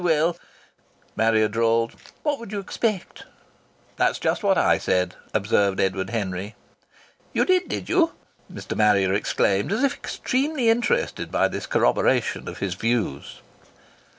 "Oh! Well!" Marrier drawled. "What would you expect?" "That's just what I said!" observed Edward Henry. "You did, did you?" Mr. Marrier exclaimed, as if extremely interested by this corroboration of his views.